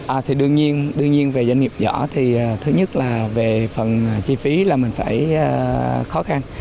à thì đương nhiên đương nhiên về doanh nghiệp nhỏ thì thứ nhất là về phần chi phí là mình phải khó khăn